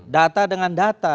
data dengan data